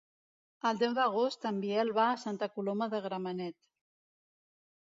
El deu d'agost en Biel va a Santa Coloma de Gramenet.